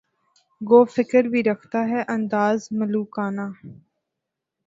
گو فقر بھی رکھتا ہے انداز ملوکانہ